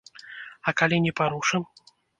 А калі не парушым?